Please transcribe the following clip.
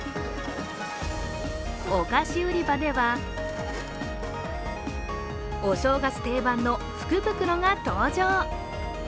お菓子売り場ではお正月定番の福袋が登場。